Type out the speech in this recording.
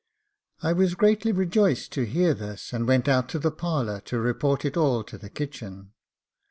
I was greatly rejoiced to hear this, and went out of the parlour to report it all to the kitchen.